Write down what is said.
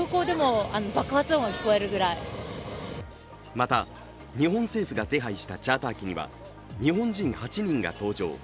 また日本政府が手配したチャーター機には日本人８人が搭乗。